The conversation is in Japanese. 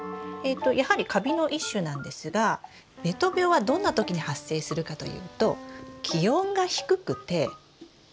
やはりカビの一種なんですがべと病はどんな時に発生するかというと気温が低くて雨が多い時。